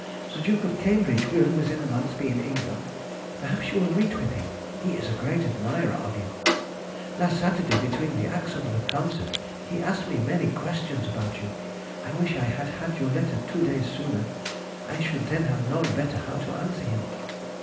The Duke of Cambridge will, within a month, be in England; perhaps you will meet with him; he is a great admirer of you. Last Saturday, between the acts of the concert, he asked me many questions about you. I wish I had had your letter two days sooner, I should then have known better how to answer him.